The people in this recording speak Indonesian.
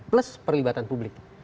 plus perlibatan publik